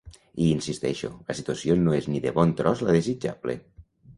Hi insisteixo, la situació no és ni de bon tros la desitjable.